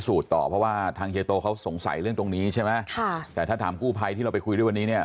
คือบางที่สงสัยเรื่องตรงนี้ใช่ไหมค่ะแต่ถ้าถามคู่ภัยที่เราไปคุยด้วยวันนี้เนี่ย